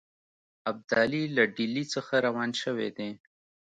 ابدالي له ډهلي څخه روان شوی دی.